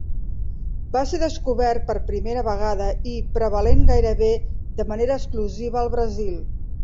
Va ser descobert per primera vegada i prevalent gairebé de manera exclusiva al Brasil.